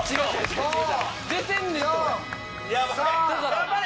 頑張れ！